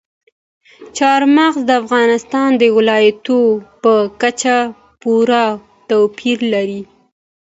چار مغز د افغانستان د ولایاتو په کچه پوره توپیر لري.